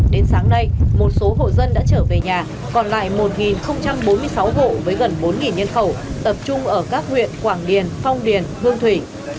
đến sáng nay một số hộ dân đã trở về nhà còn lại một bốn mươi sáu hộ với gần bốn nhân khẩu tập trung ở các huyện quảng điền phong điền hương thủy